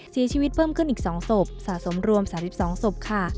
เสียชีวิตเพิ่มขึ้นอีกสองศพสะสมรวมสามสิบสองศพค่ะ